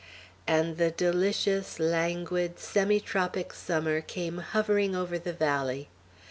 And the delicious, languid, semi tropic summer came hovering over the valley.